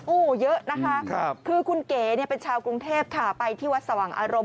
โอ้โหเยอะนะคะคือคุณเก๋เนี่ยเป็นชาวกรุงเทพค่ะไปที่วัดสว่างอารมณ์